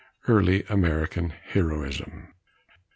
EARLY AMERICAN HEROISM.